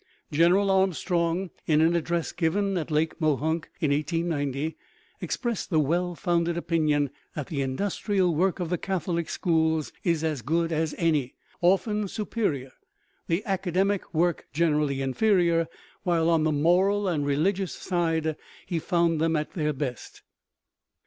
General Armstrong, in an address given at Lake Mohonk in 1890, expressed the well founded opinion that the industrial work of the Catholic schools is as good as any, often superior; the academic work generally inferior, while on the moral and religious side he found them at their best.